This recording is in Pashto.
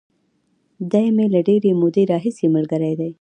دی مې له ډېرې مودې راهیسې ملګری دی.